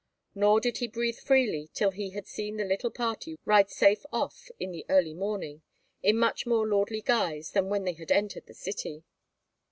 Nor did he breathe freely till he had seen the little party ride safe off in the early morning, in much more lordly guise than when they had entered the city.